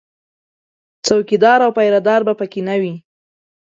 څوکیدار او پیره دار به په کې نه وي